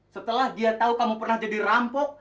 setelah dia tahu kamu pernah jadi rampok